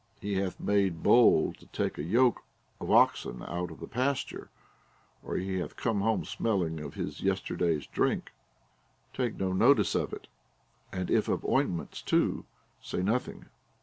He hath made bold to take a yoke of oxen out of the pasture, or he hath come home smelling of his yesterday's drink ; take no notice of it ; and if of ointments too, say nothing.